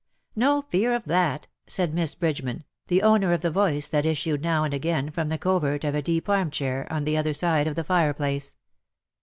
''^ "No fear of that," said Miss Bridgeman, the owner of the voice that issued now and again from the covert of a deep armchair on the other side of the fireplace.